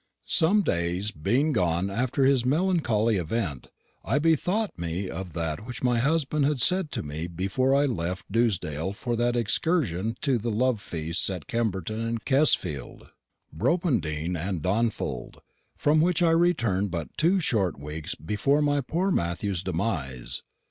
"Some days being gone after this melancholic event, I bethought me of that which my husband had said to me before I left Dewsdale for that excursion to the love feasts at Kemberton and Kesfield, Broppindean and Dawnfold, from which I returned but two short weeks before my poor Matthew's demise.